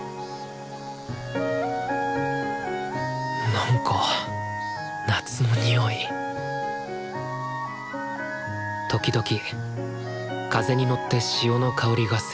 なんか夏のにおい時々風に乗って潮の香りがする。